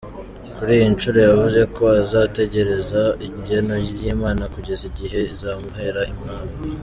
Kuri iyi nshuro yavuze ko azategereza igeno ry’Imana kugeza igihe izamuhera umwana.